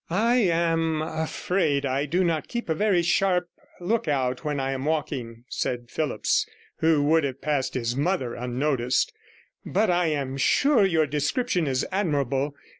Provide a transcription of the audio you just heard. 'I am afraid I do not keep a very sharp look out when I am walking,' said Phillipps, who would have passed his mother unnoticed; 'but I am sure your description is admirable.